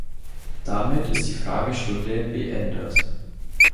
Damit ist die Fragstunde beendet.